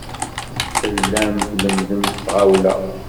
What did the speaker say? Tellam tlemmdem s tɣawla.